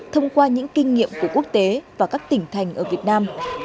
thông qua những kinh nghiệm của quốc tế và các tỉnh thành ở việt nam